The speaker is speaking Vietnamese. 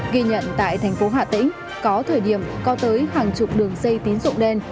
ghi nhận tại thành phố hà tĩnh có thời điểm có tới hàng chục đường dây tín dụng đen